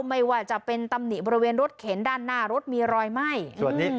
ไม่ว่าจะเป็นตำหนิบริเวณรถเข็นด้านหน้ารถมีรอยไหม้ส่วนนี้